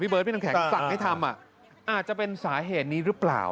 เบิร์พี่น้ำแข็งสั่งให้ทำอาจจะเป็นสาเหตุนี้หรือเปล่า